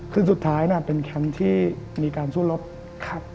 สุดท้ายน่ะเป็นแคมป์ที่มีการสู้รบครับ